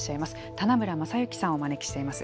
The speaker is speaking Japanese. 棚村政行さんをお招きしています。